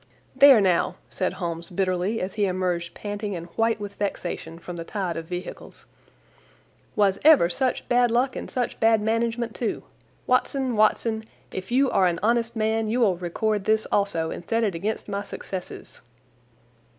"There now!" said Holmes bitterly as he emerged panting and white with vexation from the tide of vehicles. "Was ever such bad luck and such bad management, too? Watson, Watson, if you are an honest man you will record this also and set it against my successes!"